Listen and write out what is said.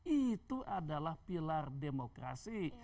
itu adalah pilar demokrasi